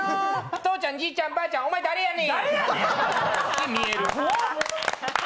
父ちゃん、じいちゃん、ばあちゃんお前誰やねん。